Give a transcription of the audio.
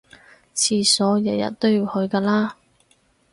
廁所日日都要去㗎啦